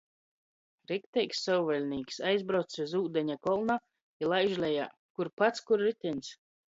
Rikteigs sovvaļnīks! Aizbraucs iz Ūdeņu kolna i laiž lejā. Kur pats, kur ritiņs!